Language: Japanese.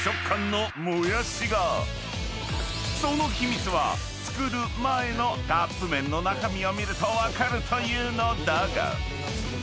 ［その秘密は作る前のカップ麺の中身を見ると分かるというのだが］